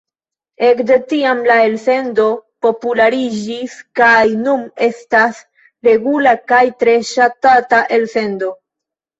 Ekde tiam la elsendo populariĝis kaj nun estas regula kaj tre ŝatata elsendo.